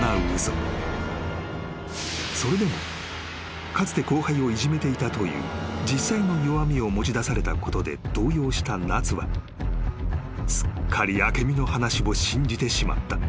［それでもかつて後輩をいじめていたという実際の弱みを持ち出されたことで動揺した奈津はすっかり明美の話を信じてしまった］